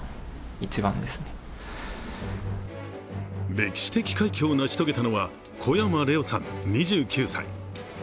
歴史的快挙を成し遂げたのは小山怜央さん、２９歳。